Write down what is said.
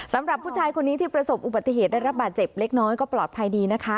สำหรับผู้ชายคนนี้ที่ประสบอุบัติเหตุได้รับบาดเจ็บเล็กน้อยก็ปลอดภัยดีนะคะ